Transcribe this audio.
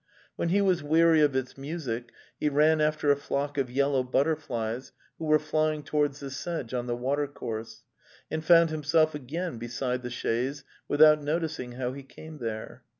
When he was weary of its music he ran after a flock of yellow butterflies who were flying towards the sedge on the watercourse, and found himself again beside the chaise, without noticing how he came there.